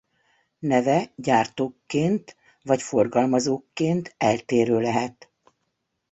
Neve gyártókként vagy forgalmazókként eltérő lehet.